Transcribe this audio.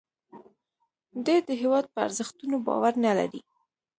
دی د هیواد په ارزښتونو باور نه لري